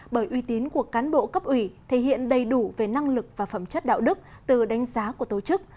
bởi uy tín của cán bộ cấp ủy thể hiện đầy đủ về năng lực và phẩm chất đạo đức từ đánh giá của tổ chức